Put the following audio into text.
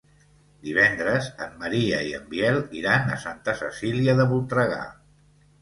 Divendres en Maria i en Biel iran a Santa Cecília de Voltregà.